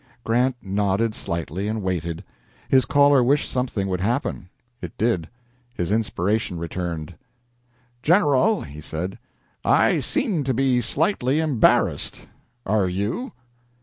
Grant nodded slightly and waited. His caller wished something would happen. It did. His inspiration returned. "General," he said, "I seem to be slightly embarrassed. Are you?"